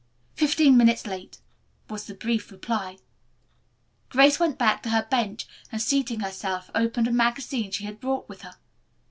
"Fifteen minutes late," was the brief reply. Grace went back to her bench, and, seating herself, opened a magazine she had brought with her.